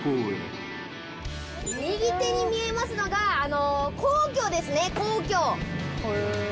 右手に見えますのがあの皇居ですね皇居。へ。